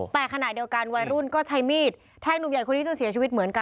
แต่ขณะเดียวกันวัยรุ่นก็ใช้มีดแทงหนุ่มใหญ่คนนี้จนเสียชีวิตเหมือนกัน